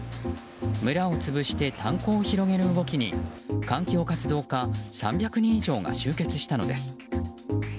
村を潰して炭鉱を広げる動きに環境活動家３００人以上が集結したのです。